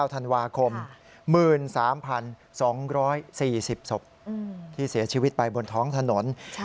ธันวาคม๑๓๒๔๐ศพที่เสียชีวิตไปบนท้องถนน